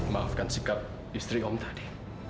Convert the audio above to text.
maafkan sikap istri om tadi